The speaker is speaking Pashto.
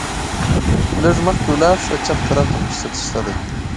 لږ مخکې ولاړ شه، چپ طرف ته مسجد شته دی.